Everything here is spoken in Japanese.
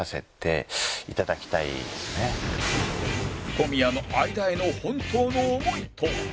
小宮の相田への本当の思いとは？